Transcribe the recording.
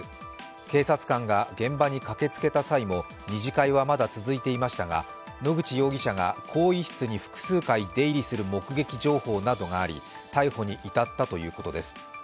警察官が現場に駆けつけた際も二次会はまだ続いていましたが野口容疑者が更衣室に複数回出入りする目撃情報などがあり逮捕に至ったということです。